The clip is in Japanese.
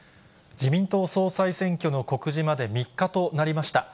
自民党総裁選挙の告示まで３日となりました。